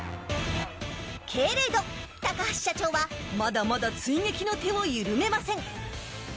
けれど高橋社長はまだまだ追撃の手を緩めません。